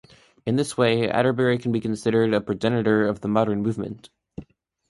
In this way Atterbury can be considered a progenitor of the Modern Movement.